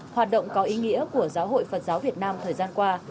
hoạt động có ý nghĩa của giáo hội phật giáo việt nam thời gian qua